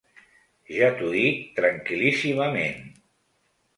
Jo t’ho dic tranquil·líssimament.